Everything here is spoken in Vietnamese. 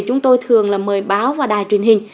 chúng tôi thường mời báo và đài truyền hình